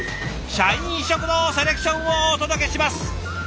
「社員食堂セレクション」をお届けします。